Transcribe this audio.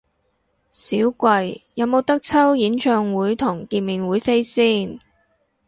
少貴，有無得抽演唱會同見面會飛先？